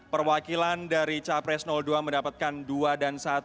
perwakilan dari capres dua mendapatkan dua dan satu